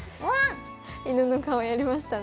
犬の顔やりましたね